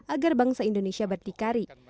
agar bangsa indonesia bisa berkembang